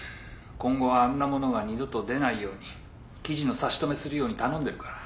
今後はあんなものが二度と出ないように記事の差し止めするように頼んでるから。